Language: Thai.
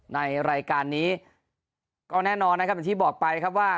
ในรายการนี้ก็แน่นอนนะครับอย่างที่บอกไปครับว่า